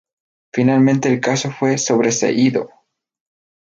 Finalmente el caso fue sobreseído.